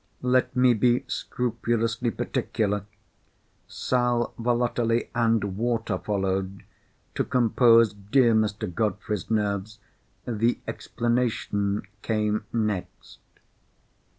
Let me be scrupulously particular. Sal volatile and water followed, to compose dear Mr. Godfrey's nerves. The explanation came next.